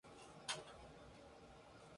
habíamos bebido